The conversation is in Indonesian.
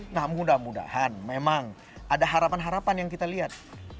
nah mudah mudahan memang ada harapan harapan yang kita lihat